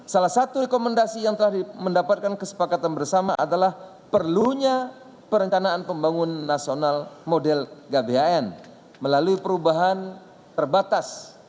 salah satu rekomendasi yang telah mendapatkan kesepakatan bersama adalah perlunya perencanaan pembangunan nasional model gbhn melalui perubahan terbatas